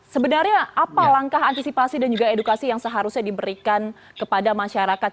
sebenarnya apa langkah antisipasi dan juga edukasi yang seharusnya diberikan kepada masyarakat